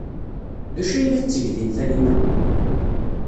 D acu ay la tetteg din Taninna?